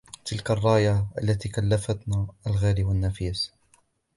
تلك الراية التي كلفتنا الغالي والنفيس